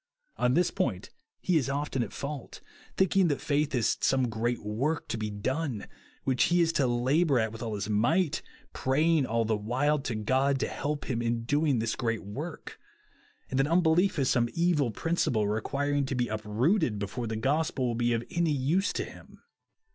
On this point he is often at fault ; thinking that faith is some great work to be done, which he is to labour at Avith all his might, praying all the while to God to help him in doing this great work ; and that unbelief is some evil principle, requiring to be uprooted before the gospel will be of any use to him.